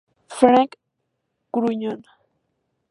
Frank Grullón.